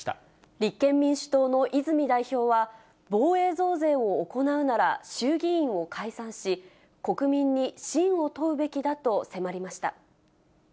立憲民主党の泉代表は、防衛増税を行うなら衆議院を解散し、国民に信を問うべきだと迫りました。